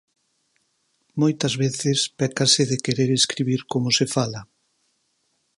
Moitas veces pécase de querer escribir como se fala.